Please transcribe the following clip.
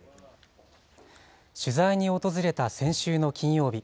取材に訪れた先週の金曜日。